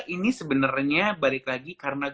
ini sebenarnya balik lagi karena